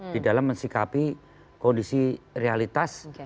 di dalam mensikapi kondisi realitas